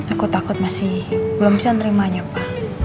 aku takut masih belum bisa nerimanya pa